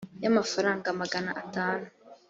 y amafaranga magana atanu